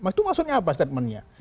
itu maksudnya apa statementnya